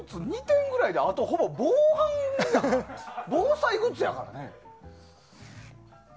２点ぐらいであと、ほぼ防災グッズやからね。